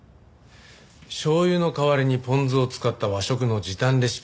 しょう油の代わりにポン酢を使った和食の時短レシピ。